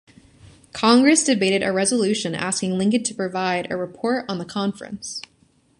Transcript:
Congress debated a resolution asking Lincoln to provide a report on the Conference.